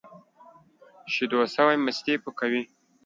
شيدو سوى ، مستې پوکي.